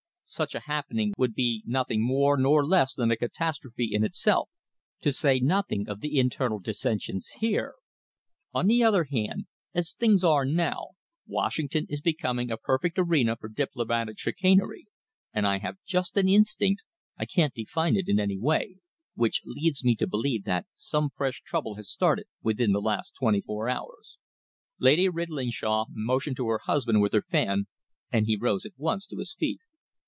Such a happening would be nothing more nor less than a catastrophe in itself, to say nothing of the internal dissensions here. On the other hand, as things are now, Washington is becoming a perfect arena for diplomatic chicanery, and I have just an instinct I can't define it in any way which leads me to believe that some fresh trouble has started within the last twenty four hours." Lady Ridlingshawe motioned to her husband with her fan, and he rose at once to his feet.